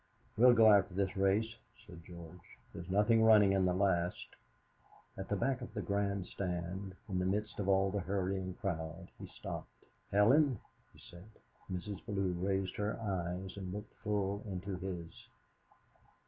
"We'll go after this race," said George. "There's nothing running in the last." At the back of the Grand Stand, in the midst of all the hurrying crowd, he stopped. "Helen?" he said. Mrs. Bellew raised her eyes and looked full into his.